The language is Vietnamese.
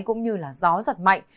cũng như gió rất mạnh